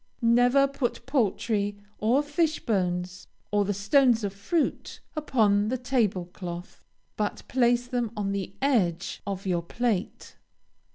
Never put poultry or fish bones, or the stones of fruit, upon the table cloth, but place them on the edge of your plate.